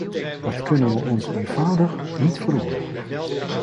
Dat kunnen we ons eenvoudig niet veroorloven.